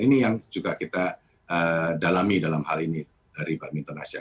ini yang juga kita dalami dalam hal ini dari badminto nasihat